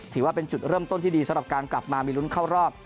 ถือว่าเป็นจุดเริ่มต้นที่ดีสำหรับการกลับมามีลุ้นเข้ารอบ